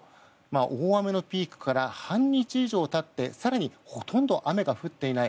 大雨のピークから半日以上経って更にほとんど雨が降っていない